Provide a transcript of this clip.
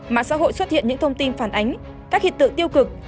mạng xã hội xuất hiện những thông tin phản ánh các hiện tượng tiêu cực